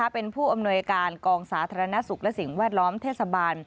เป็นผู้อำนวยการกองสาธารณสุขและสิ่งแวดล้อมเทศบาล